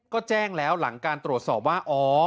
ก็แจ้งแล้วหลังการตรวจสอบว่าอ๋อ